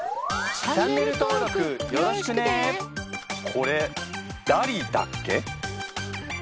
これダリだっけ？